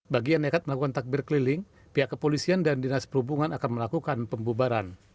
bagi yang nekat melakukan takbir keliling pihak kepolisian dan dinas perhubungan akan melakukan pembubaran